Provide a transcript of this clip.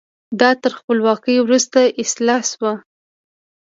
دا تر خپلواکۍ وروسته اصلاح شو.